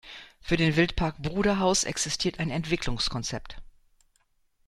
Für den Wildpark Bruderhaus existiert ein Entwicklungskonzept.